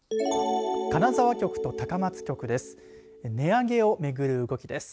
金沢局と高松局です。